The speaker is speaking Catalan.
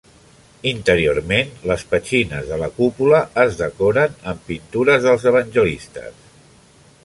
Interiorment les petxines de la cúpula es decoren amb pintures dels evangelistes.